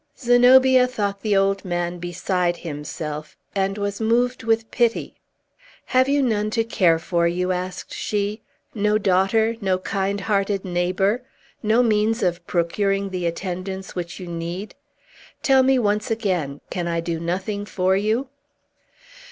Zenobia thought the old man beside himself, and was moved with pity. "Have you none to care for you?" asked she. "No daughter? no kind hearted neighbor? no means of procuring the attendance which you need? Tell me once again, can I do nothing for you?"